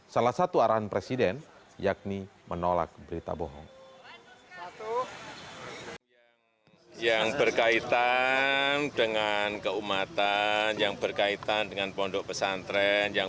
salah satu arahan presiden yakni menolak berita bohong